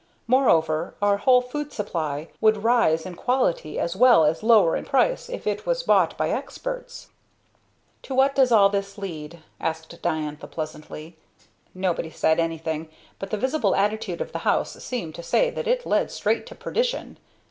Moreover, our whole food supply would rise in quality as well as lower in price if it was bought by experts. "To what does all this lead?" asked Diantha pleasantly. Nobody said anything, but the visible attitude of the house seemed to say that it led straight to perdition.